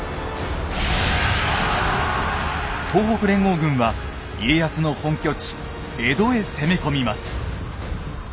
東北連合軍は家康の本拠地江戸へ攻め込みます。